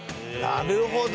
なるほど。